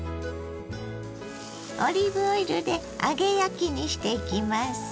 オリーブオイルで揚げ焼きにしていきます。